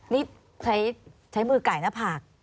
นี่ใช้มือไก่หน้าผาก